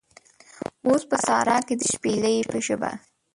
اوس په سارا کې د شپیلۍ په ژبه